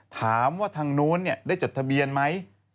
ถามว่าทางนู้นได้จดทะเบียนไหม